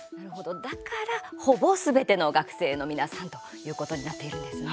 だから、ほぼすべての学生の皆さんということになっているんですね。